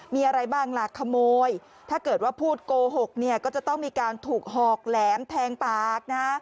มีอะไรบ้างล่ะขโมยถ้าเกิดว่าพูดโกหกเนี่ยก็จะต้องมีการถูกหอกแหลมแทงปากนะ